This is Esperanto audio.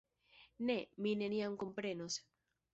Ne, mi neniam komprenos.